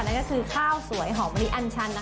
นั่นก็คือข้าวสวยหอมมะลิอันชัน